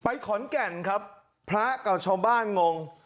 ขอนแก่นครับพระกับชาวบ้านงง